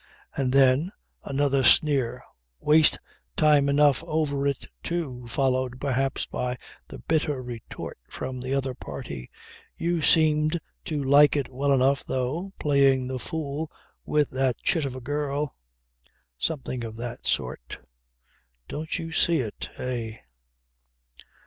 And then another sneer, "Waste time enough over it too," followed perhaps by the bitter retort from the other party "You seemed to like it well enough though, playing the fool with that chit of a girl." Something of that sort. Don't you see it eh